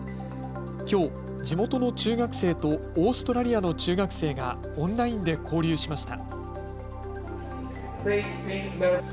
きょう、地元の中学生とオーストラリアの中学生がオンラインで交流しました。